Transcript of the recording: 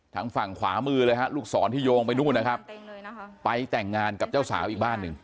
ทางฝั่งขวามือเลยฮะลูกศรที่โยงไปนู่นนะครับไปแต่งงานกับเจ้าสาวอีกบ้านหนึ่ง